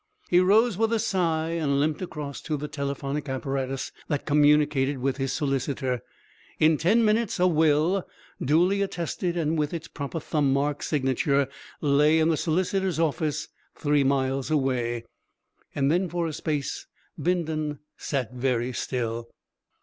He rose with a sigh, and limped across to the telephonic apparatus that communicated with his solicitor. In ten minutes a will duly attested and with its proper thumb mark signature lay in the solicitor's office three miles away. And then for a space Bindon sat very still.